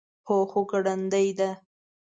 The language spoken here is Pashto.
هو، خو ګړندۍ ده